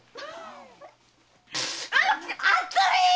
熱い‼